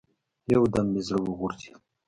يو دم مې زړه وغورځېد.